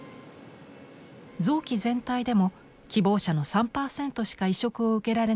臓器全体でも希望者の３％しか移植を受けられないのが現状です。